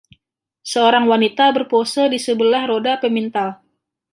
Seorang wanita berpose di sebelah roda pemintal.